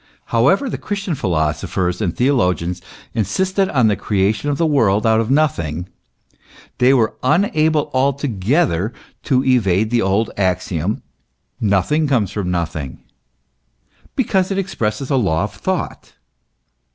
However the Christian philosophers and theologians insisted on the creation of the world out of nothing, they were unahle altogether to evade the old axiom " nothing comes from nothing," because it ex presses a law of thought.